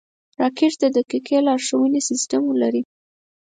راکټ د دقیقې لارښونې سیسټم لري